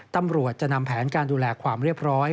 ตำรวจจะนำแผนการดูแลความเรียบร้อย